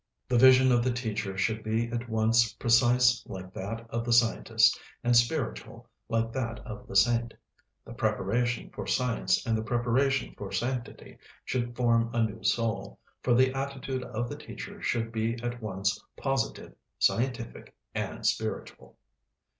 The vision of the teacher should be at once precise like that of the scientist, and spiritual like that of the saint. The preparation for science and the preparation for sanctity should form a new soul, for the attitude of the teacher should be at once positive, scientific, and spiritual.